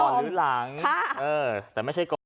ก่อนหรือหลังแต่ไม่ใช่ก่อนหรือหลัง